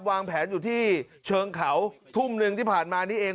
วางแผนอยู่ที่เชิงเขาทุ่มหนึ่งที่ผ่านมานี้เอง